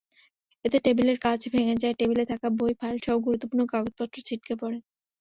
এতে টেবিলের কাচ ভেঙে যায়, টেবিলে থাকা বই-ফাইলসহ গুরুত্বপূর্ণ কাগজপত্র ছিটকে পড়ে।